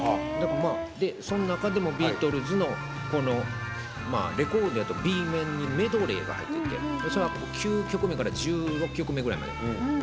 その中でもビートルズのレコードやとＢ面にメドレーが入っていてそれが９曲目から１６曲目ぐらいまで。